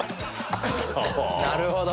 なるほど。